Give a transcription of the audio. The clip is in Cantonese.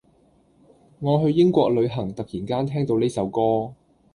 我去英國旅行突然間聽到呢首歌